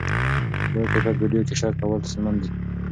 په لوړ کیفیت ویډیو کې شک کول ستونزمن دي.